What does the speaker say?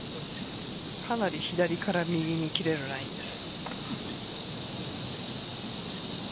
かなり左から右に切れるラインです